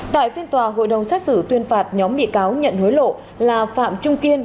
tại phiên tòa hội đồng xét xử tuyên phạt nhóm bị cáo nhận hối lộ là phạm trung kiên